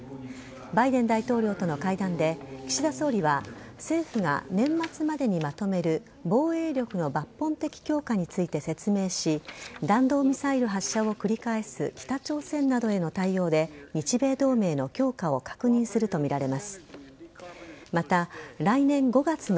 バイデン大統領との会談で岸田総理は政府が年末までにまとめる防衛力の抜本的強化について説明し弾道ミサイル発射を繰り返す北朝鮮などへの対応で日米同盟の強化を確認するとみられます。